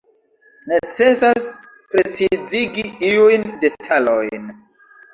Necesas precizigi iujn detalojn.